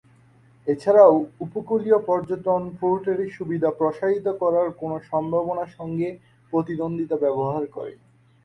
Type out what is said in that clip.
এছাড়াও, উপকূলীয় পর্যটন পোর্টের সুবিধা প্রসারিত করার কোন সম্ভাবনা সঙ্গে প্রতিদ্বন্দ্বিতা ব্যবহার করে।